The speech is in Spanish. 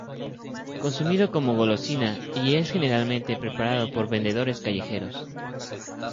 Consumido como golosina y es generalmente preparado por vendedores callejeros.